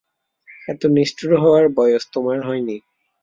এতটা নিষ্ঠুর হওয়ার বয়স তোমার হয়নি।